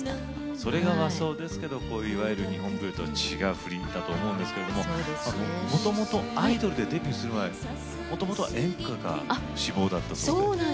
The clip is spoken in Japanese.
それが和装ですけどいわゆる舞踊とか違う振りだと思うんですけどもともとアイドルでデビューする前もともとは演歌が志望だったと。